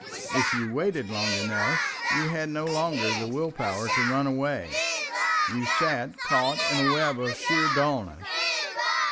If you waited long enough, you had no longer the will power to run away, you sat caught in a web of sheer dulness.